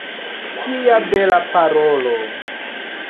Kia bela parolo!